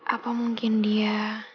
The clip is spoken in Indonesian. apa mungkin dia